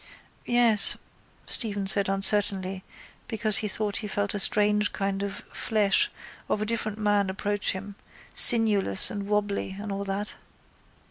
—Yes, Stephen said uncertainly because he thought he felt a strange kind of flesh of a different man approach him, sinewless and wobbly and all that.